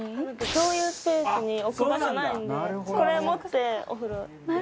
共有スペースに置く場所ないんでこれ持ってお風呂行きます。